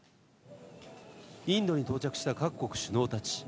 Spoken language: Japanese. インドに到着した各国首脳たち。